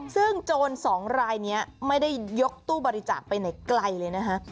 ซึ่งโจรสองรายนี้ไม่ได้ยกตู้บริจาคไปไหนไกลเลยนะคะ